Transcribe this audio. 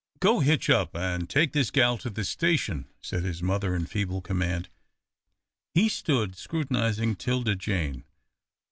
"Go hitch up an' take this gal to the station," said his mother, in feeble command. He stood scrutinising 'Tilda Jane.